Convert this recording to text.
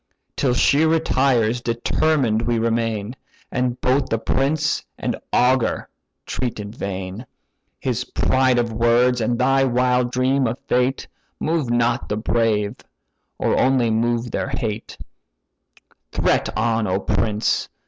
Till she retires, determined we remain, And both the prince and augur threat in vain: His pride of words, and thy wild dream of fate, Move not the brave, or only move their hate, Threat on, O prince!